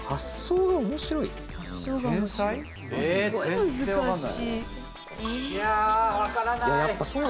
全然分かんない。